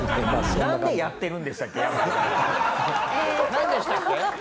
なんでしたっけ？